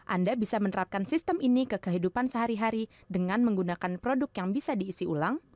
anda bisa menerapkan sistem ini ke kehidupan sehari hari dengan menggunakan produk yang bisa diisi ulang